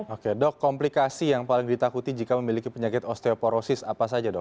oke dok komplikasi yang paling ditakuti jika memiliki penyakit osteoporosis apa saja dok